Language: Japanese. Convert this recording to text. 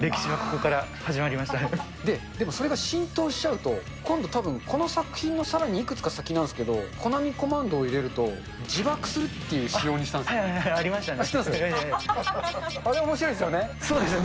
歴史はここから始まりでもそれが浸透しちゃうと、今度たぶん、この作品のさらにいくつか先なんですけど、コナミコマンドを入れると、自爆するっていう仕様にしたんですよね。